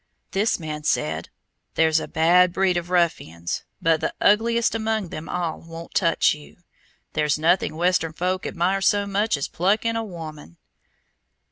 This man said, "There's a bad breed of ruffians, but the ugliest among them all won't touch you. There's nothing Western folk admire so much as pluck in a woman."